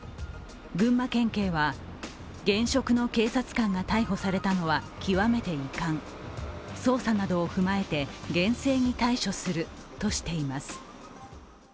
群馬県警は現職の警察官が逮捕されたのは極めて遺憾、捜査などを踏まえて厳正に対処するとしています。